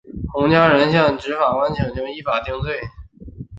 洪家人向法官请求依法定罪。